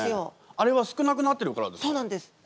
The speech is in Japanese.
あれは少なくなってるからですか？